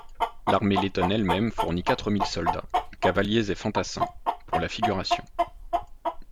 L’armée lettone elle-même fournit quatre mille soldats, cavaliers et fantassins, pour la figuration.